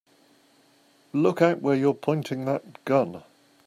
Look out where you're pointing that gun!